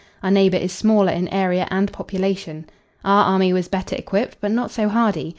Our neighbor is smaller in area and population. Our army was better equipped but not so hardy.